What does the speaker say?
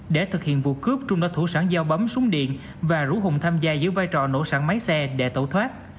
để thực hiện vụ cướp trung đã thủ sẵn giao bấm xuống điện và rủ hùng tham gia giữ vai trò nổ sẵn máy xe để tẩu thoát